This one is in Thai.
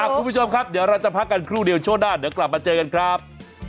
คุณผู้ชมครับเดี๋ยวเราจะพักกันครู่เดียวช่วงหน้าเดี๋ยวกลับมาเจอกันครับ